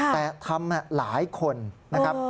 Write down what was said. แต่ทำหลายคนนะครับ